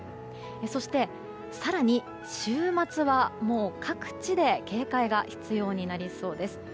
そして、更に週末は各地で警戒が必要になりそうです。